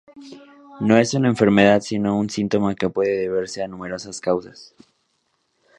No es una enfermedad, sino un síntoma que puede deberse a numerosas causas.